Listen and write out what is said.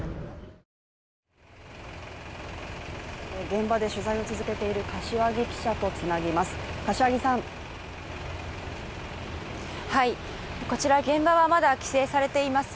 現場で取材を続けている柏木記者とつなぎます。